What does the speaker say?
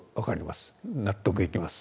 納得いきます。